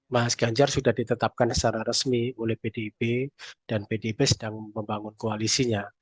mas ganjar sudah ditetapkan secara resmi oleh pdip dan pdip sedang membangun koalisinya